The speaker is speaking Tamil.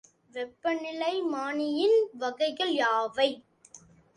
வெப்பநிலைமானியின் வகைகள் யாவை?